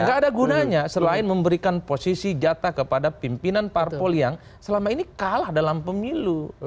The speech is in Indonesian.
nggak ada gunanya selain memberikan posisi jatah kepada pimpinan parpol yang selama ini kalah dalam pemilu